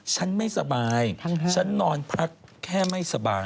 ฉันไม่สบายฉันนอนพักแค่ไม่สบาย